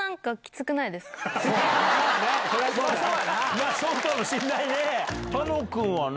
まぁそうかもしんないね。